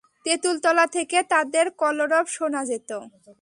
তেঁতুলতলা থেকে তাদের কলবর শোনা যেত।